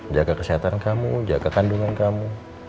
jaga kesehatan kamu jaga kandungan kamu